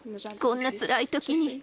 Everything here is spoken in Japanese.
こんなつらいときに。